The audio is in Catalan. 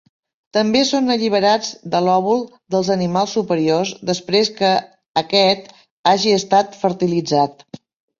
També són alliberats de l'òvul dels animals superiors després que aquest hagi estat fertilitzat.